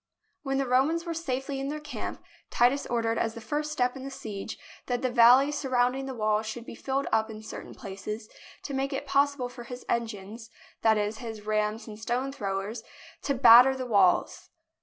When the Romans were safely in their camp, Titus ordered as the first step in the siege that the valley surrounding the walls should be filled up in certain places, to make it possible for his engines — that is, his rams and stone throwers — to batter the walls.